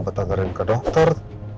minta anterin ke dokter